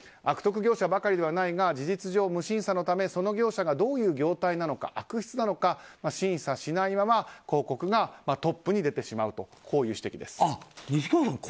悪徳業者ばかりではないが事実上、無審査のためその業者がどういう業態なのか悪質なのか審査しないまま広告がトップに出てしまうという指摘です。